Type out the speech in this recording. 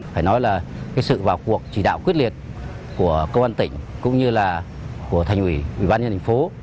phải nói là sự vào cuộc chỉ đạo quyết liệt của công an tỉnh cũng như là của thành ủy ubnd thành phố